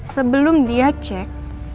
sebelum dia cek